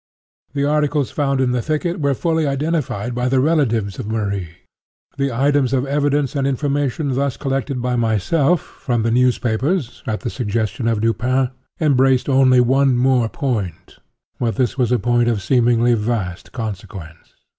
The articles found in the thicket were fully identified by the relatives of Marie. The items of evidence and information thus collected by myself, from the newspapers, at the suggestion of Dupin, embraced only one more point—but this was a point of seemingly vast consequence.